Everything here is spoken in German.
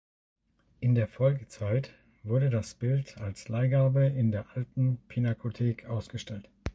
In der Folgezeit wurde das Bild als Leihgabe in der Alten Pinakothek ausgestellt.